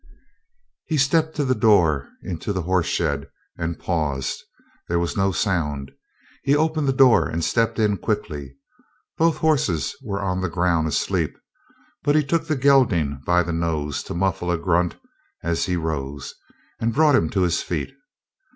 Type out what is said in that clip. He stepped to the door into the horse shed and paused; there was no sound. He opened the door and stepped in quickly. Both horses were on the ground, asleep, but he took the gelding by the nose, to muffle a grunt as he rose, and brought him to his feet.